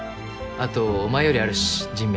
後お前よりあるし人脈。